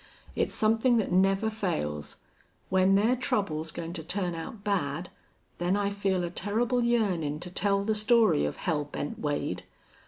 It's somethin' that never fails. When their trouble's goin' to turn out bad then I feel a terrible yearnin' to tell the story of Hell Bent Wade.